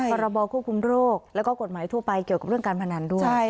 พรบควบคุมโรคแล้วก็กฎหมายทั่วไปเกี่ยวกับเรื่องการพนันด้วย